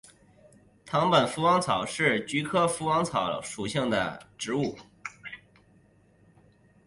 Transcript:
藤本福王草是菊科福王草属的植物。